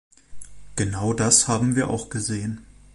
Genau das haben wir auch gesehen.